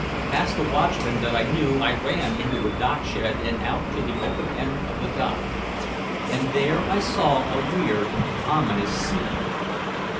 Past a watchman that I knew I ran into a dockshed and out to the open end of the dock. And there I saw a weird ominous scene.